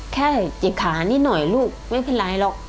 หิกขานิดหน่อยลูกไม่เป็นไรหรอก